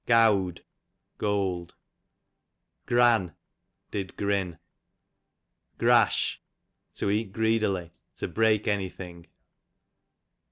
Gowd, gold. Gran, did grin. Grash, to eat greedily, to break any thing.